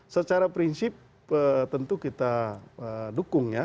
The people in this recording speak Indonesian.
secara prinsip tentu kita dukung ya